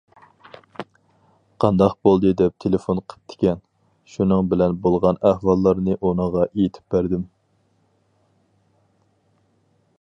قانداق بولدى دەپ تىلفۇن قىپتىكەن، شۇنىڭ بىلەن بولغان ئەھۋاللارنى ئۇنىڭغا ئېيتىپ بەردىم